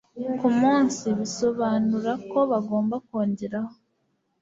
ku munsi bisobanura ko bagomba kongeraho